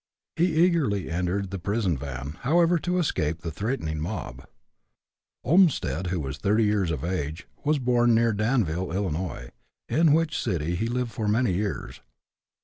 He eagerly entered the prison van, however, to escape the threatening mob. Olmstead, who was 30 years of age, was born near Danville, Ill., in which city he lived for many years.